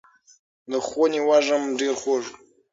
د خونې وږم ډېر خوږ و.